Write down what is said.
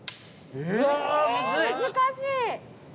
え難しい。